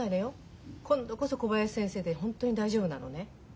今度こそ小林先生で本当に大丈夫なのね？